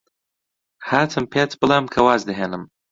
هاتم پێت بڵێم کە واز دەهێنم.